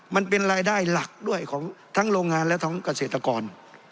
มันเป็นรายได้หลักด้วยของทั้งโรงงานและทั้งเกษตรกร